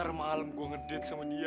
ntar malem gua ngedate sama dia